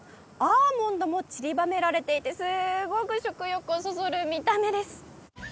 アーモンドもちりばめられていてすごく食欲をそそる見た目です。